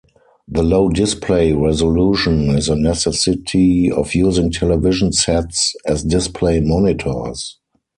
The low display resolution is a necessity of using television sets as display monitors.